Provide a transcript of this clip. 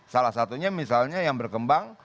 salah satunya misalnya yang berkembang